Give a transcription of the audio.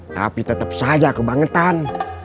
tapi tetap saja kebangetan